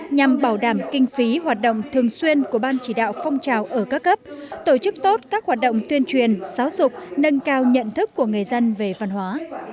nhằm bảo đảm kinh phí hoạt động thường xuyên của ban chỉ đạo phong trào ở các cấp tổ chức tốt các hoạt động tuyên truyền giáo dục nâng cao nhận thức của người dân về văn hóa